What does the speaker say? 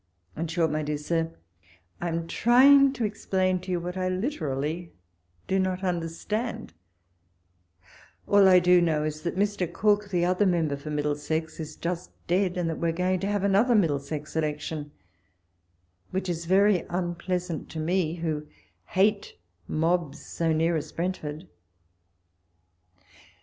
In short, my dear Sir, I am trying to explain to you what I literally do not imderstand ; all I do know is, that Mr. Cooke, the other member for Middlesex, is just dead, and that we are going to have another Middlesex election, which is very unpleasant to me, who hate mobs so near as Brentford.